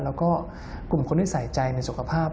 แล้วก็กลุ่มคนที่ใส่ใจในสุขภาพ